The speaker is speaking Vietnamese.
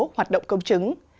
hoạt động công chứng